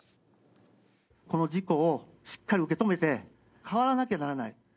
この事故をしっかり受け止めて、変わらなきゃならない。